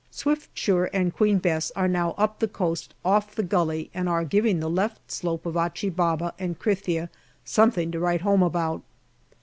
Swiftsure and Queen Bess are now up the coast off the gully, and are giving the left slope of Achi Baba and Krithia something to write home about.